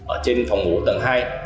ở trên phòng ngủ tầng hai